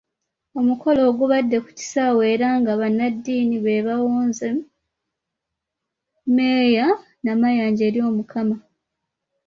Omukolo ogubadde ku kisaawe era nga bannaddiini be bawonze Mmeeya Namayanja eri Omukama.